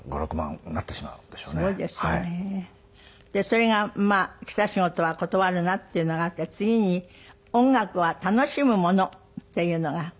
それが「来た仕事は断るな」っていうのがあって次に「音楽は楽しむもの」っていうのが。